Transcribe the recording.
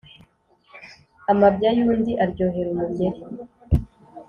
Amabya y’undi aryohera umugeri.